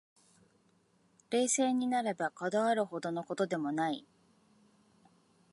冷静になれば、こだわるほどの事でもない